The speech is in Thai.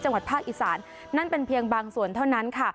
จังหวัดภาคอีสานนั่นเป็นเพียงบางส่วนเท่านั้นค่ะ